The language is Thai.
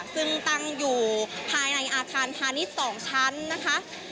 ซึ่งตั้งอยู่ภายในอาคารพาณิชย์๒ชั้นนะคะ